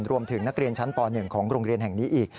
นักเรียนชั้นป๑ของโรงเรียนแห่งนี้อีก